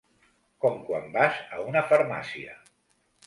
Com quan vas a una farmàcia.